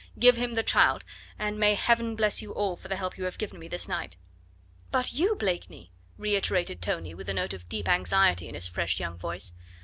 Give him the child, and may Heaven bless you all for the help you have given me this night!" "But you, Blakeney?" reiterated Tony with a note of deep anxiety in his fresh young voice.